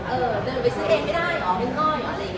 เออเดินไปซื้อเองไม่ได้เหรอเงินก้อนอะไรอย่างนี้